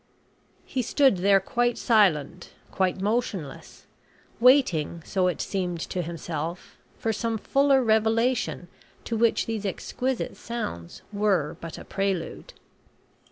He stood there quite silent quite motionless waiting, so it seemed to himself, for some fuller revelation to which these exquisite sounds were but a prelude.